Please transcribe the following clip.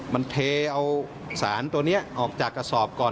มันเทเอาสารตัวนี้ออกจากกระสอบก่อน